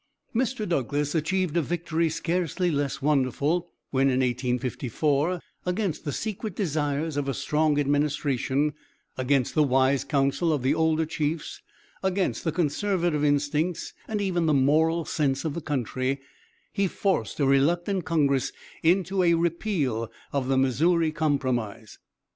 Mr. Douglas achieved a victory scarcely less wonderful, when in 1854, against the secret desires of a strong administration, against the wise counsel of the older chiefs, against the conservative instincts, and even the moral sense of the country, he forced a reluctant Congress into a repeal of the Missouri Compromise.